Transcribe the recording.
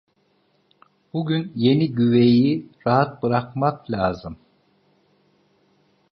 Bugün yeni güveyi rahat bırakmak lazım!